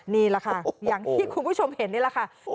นี่แหละค่ะอย่างที่คุณผู้ชมเห็นนี่แหละค่ะ